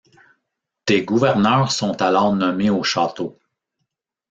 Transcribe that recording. Des gouverneurs sont alors nommés au château.